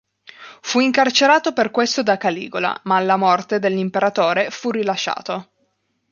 Fu incarcerato per questo da Caligola, ma alla morte dell'imperatore, fu rilasciato.